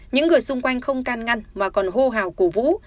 những người xung quanh không can ngăn mà còn hô hào cổ vũ